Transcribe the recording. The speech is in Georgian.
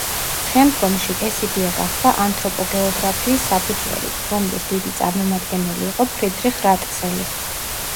შემდგომში, ეს იდეა გახდა ანთროპოგეოგრაფიის საფუძველი, რომლის დიდი წამომადგენელი იყო ფრიდრიხ რატცელი.